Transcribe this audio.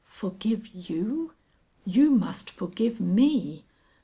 "Forgive you? You must forgive me!